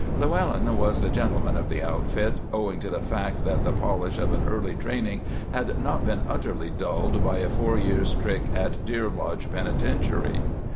Llewellyn was the gentleman of the outfit, owing to the fact that the polish of an early training had not been utterly dulled by a four years' trick at Deer Lodge Penitentiary.